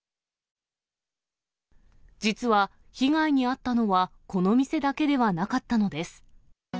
実は被害に遭ったのは、この店だけではなかったのです。